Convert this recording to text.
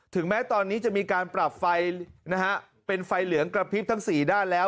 แม้ตอนนี้จะมีการปรับไฟนะฮะเป็นไฟเหลืองกระพริบทั้งสี่ด้านแล้ว